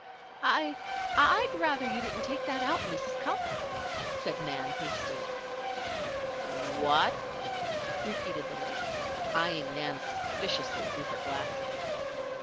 "I I'd rather you didn't take that out, Mrs. Cupp," said Nan, hastily. "What?" repeated the lady, eyeing Nan suspiciously through her glasses.